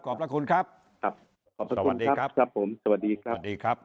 ขอบพระคุณครับสวัสดีครับ